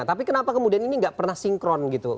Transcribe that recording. tapi kenapa kemudian ini nggak pernah sinkron gitu